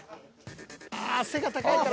ああ背が高いから。